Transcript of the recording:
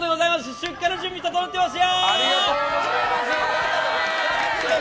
出荷準備整ってますよ！